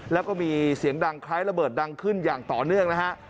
แล้วก็มีเสียงดังคล้ายระเบิดดังขึ้นอย่างต่อเนื่องนะฮะ